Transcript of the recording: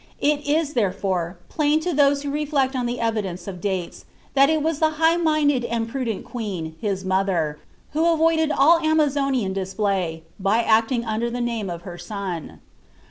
It is, therefore, pUni to those who reHeci on the evidence of doi«s, iliat it was the hii^ minded and prudent queen, liis mother, who avotdMl all Aiuazouian » pluy, by acting under the name of her son.